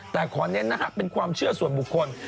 แต่ขอเน้นนะฮะเป็นความเชื่อส่วนบุคคล